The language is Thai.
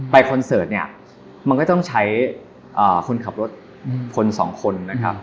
คอนเสิร์ตเนี่ยมันก็ต้องใช้คนขับรถคนสองคนนะครับ